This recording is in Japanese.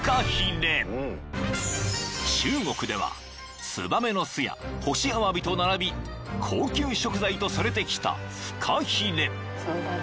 ［中国ではツバメの巣や干しアワビと並び高級食材とされてきたフカヒレ］